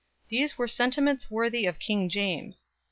These were sentiments worthy of King James.